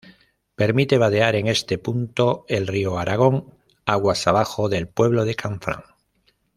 Permite vadear en este punto el río Aragón, aguas abajo del pueblo de Canfranc.